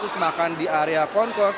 terus makan di area konkos